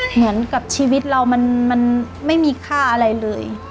เหมือนกับชีวิตเรามันไม่มีค่าอะไรเลย